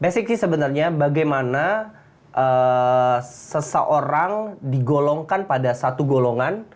basicy sebenarnya bagaimana seseorang digolongkan pada satu golongan